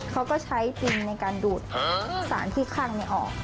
เขาก็ใช้จินในการดูดสารที่คั่งในออก